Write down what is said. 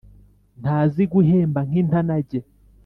Ntazi guhemba nk'intanage